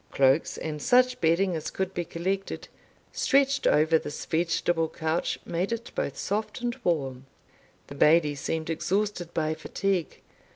Cloaks, and such bedding as could be collected, stretched over this vegetable couch, made it both soft and warm. The Bailie seemed exhausted by fatigue.